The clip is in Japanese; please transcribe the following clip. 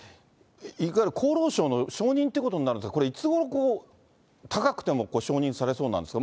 いわゆるえ厚労省の承認ということになるんですが、これ、いつごろ、高くても承認されそうなんですか？